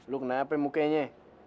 lu kenapa mukenya